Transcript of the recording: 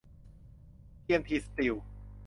ทีเอ็มที สตีล